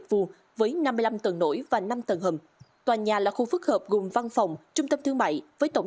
với năm mươi năm tầng nổi và năm tầng hầm tòa nhà là khu phức hợp gồm văn phòng trung tâm thương mại với tổng